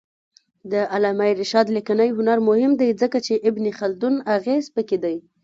د علامه رشاد لیکنی هنر مهم دی ځکه چې ابن خلدون اغېز پکې دی.